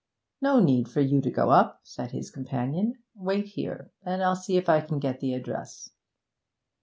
'No need for you to go up,' said his companion. 'Wait here, and I'll see if I can get the address.'